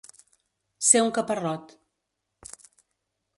Ser un caparrot.